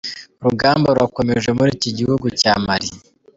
Urugamba rurakomeje muri iki gihugu cya Mali.